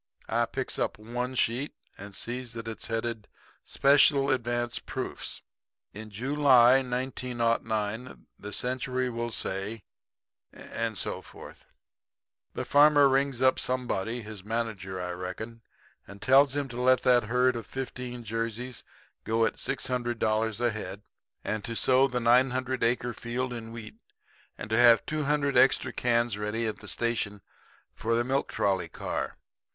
"I picks up one sheet and sees that it's headed: 'Special Advance Proofs. In July, 1909, the Century will say' and so forth. "The farmer rings up somebody his manager, I reckon and tells him to let that herd of 15 Jerseys go at $600 a head; and to sow the 900 acre field in wheat; and to have 200 extra cans ready at the station for the milk trolley car.